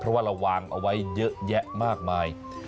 เพราะว่าเราวางเอาไว้เยอะแยะมากมาย